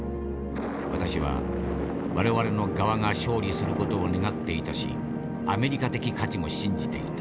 私は我々の側が勝利する事を願っていたしアメリカ的価値も信じていた。